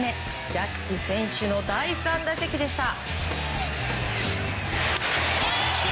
ジャッジ選手の第３打席でした。